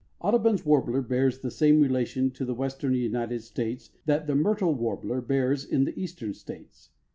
_) Audubon's Warbler bears the same relation to the Western United States that the myrtle warbler bears to the Eastern States.